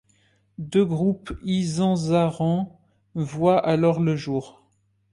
Deux groupes Izenzaren voient alors le jour.